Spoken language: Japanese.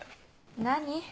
何？